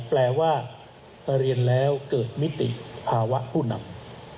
แปลว่าเรียนแล้วเกิดมิติภาวะผู้นำ